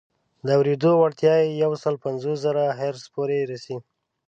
د اورېدو وړتیا یې یو سل پنځوس زره هرتز پورې رسي.